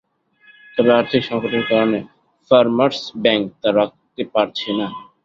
তবে আর্থিক সংকটের কারণে ফারমার্স ব্যাংক তা রাখতে পারছে না।